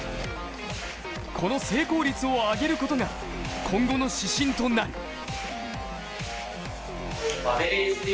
この成功率を上げることが今後の指針となる。